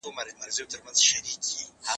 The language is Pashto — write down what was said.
کتاب د زده کوونکي لخوا لوستل کېږي؟